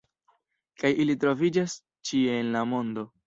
Kaj ili troviĝas ĉie en la mondo.